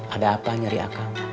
ada apa nyari akan